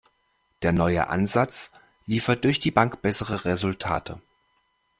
Der neue Ansatz liefert durch die Bank bessere Resultate.